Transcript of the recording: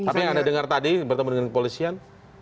tapi yang anda dengar tadi bertemu dengan kepolisian